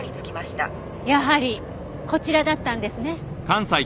やはりこちらだったんですね。